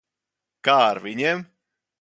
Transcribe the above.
Kā ar viņiem?